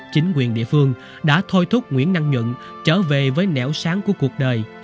chính quyền địa phương đã thôi thúc nguyễn năng nhuận trở về với nẻo sáng của cuộc đời